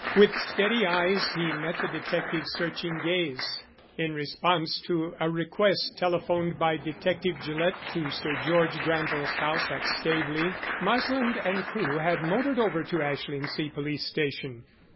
With steady eyes he met the detective's searching gaze. In response to a request telephoned by Detective Gillett to Sir George Granville's house at Staveley, Marsland and Crewe had motored over to Ashlingsea police station.